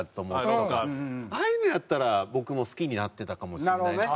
ああいうのやったら僕も好きになってたかもしれない。